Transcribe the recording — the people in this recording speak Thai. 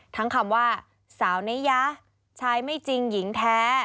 คำว่าสาวเนยะชายไม่จริงหญิงแท้